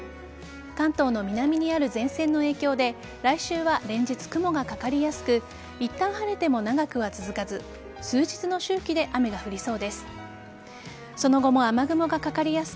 関東の南にある前線の影響で来週は連日雲がかかりやすくいったん晴れても長くは続かず数日の周期で雨が降りそうです。